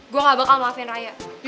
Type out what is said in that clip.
gue gak bakal ngeluafin raya